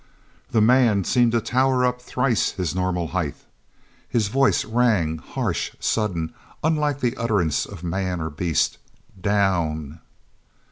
The man seemed to tower up thrice his normal height. His voice rang, harsh, sudden, unlike the utterance of man or beast: "_Down!